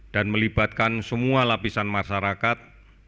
dan melibatkan semua lapisan masyarakat